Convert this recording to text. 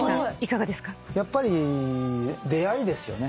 やっぱり出会いですよね。